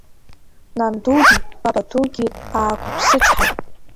Нандугьы бабадугьы аақәыԥсычҳаит.